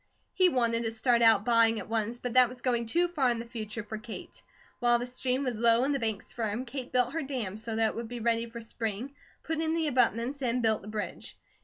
He wanted to start out buying at once, but that was going too far in the future for Kate. While the stream was low, and the banks firm, Kate built her dam, so that it would be ready for spring, put in the abutments, and built the bridge.